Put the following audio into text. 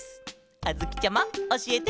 あづきちゃまおしえてケロ。